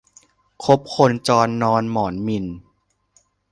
คบคนจรนอนหมอนหมิ่น